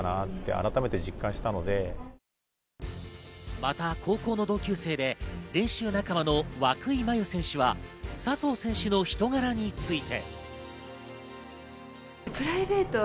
また高校の同級生で練習仲間の和久井麻由選手は笹生選手の人柄について。